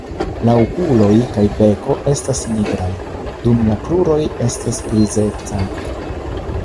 La okuloj kaj beko estas nigraj, dum la kruroj estas grizecaj.